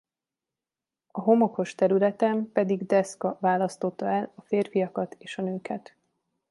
A homokos területen pedig deszka választotta el a férfiakat és a nőket.